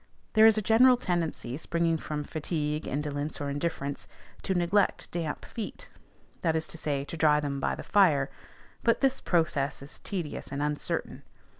There is a general tendency, springing from fatigue, indolence, or indifference, to neglect damp feet, that is to say, to dry them by the fire; but this process is tedious and uncertain.